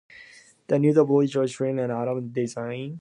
The Newport bridge was a Ferdinand Arnodin design.